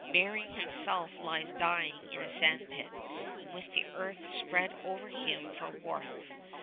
Bering himself lies dying in a sandpit, with the earth spread over him for warmth.